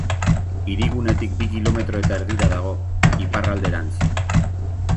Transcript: Hirigunetik bi kilometro eta erdira dago, iparralderantz.